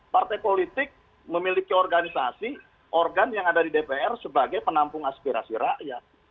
partai politik memiliki organisasi organ yang ada di dpr sebagai penampung aspirasi rakyat